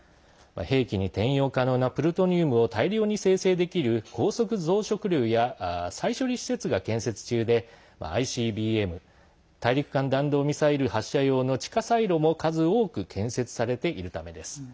兵器に転用可能なプルトニウムを大量に生成できる高速増殖炉や再処理施設が建設中でＩＣＢＭ＝大陸間弾道ミサイル発射用の地下サイロも数多く建設されているためです。